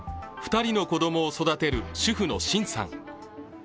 ２人の子供を育てる、主婦の辛さん。